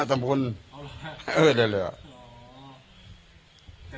อ๋อแต่ว่าแต่ว่าเจตนาที่โทษไปคือไม่ได้ไม่ได้ไม่ได้ต้องการว่า